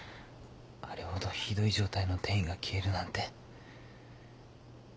あれほどひどい状態の転移が消えるなんて。